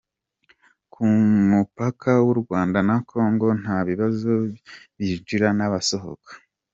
Ku mupaka w’u Rwanda na kongo nta bibazo ku binjira n’abasohoka